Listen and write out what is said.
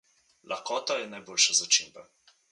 Lakota je najboljša začimba.